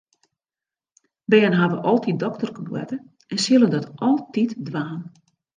Bern hawwe altyd dokterkeboarte en sille dat altyd dwaan.